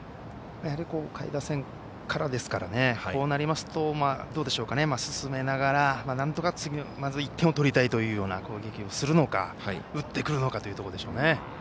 下位打線からですからこうなりますと、進めながらなんとか次の１点を取りたいという攻撃をするのか打ってくるのかというところでしょうね。